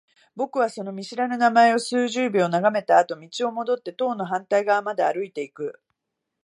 僕はその見知らぬ名前を数十秒眺めたあと、道を戻って棟の反対側まで歩いていく。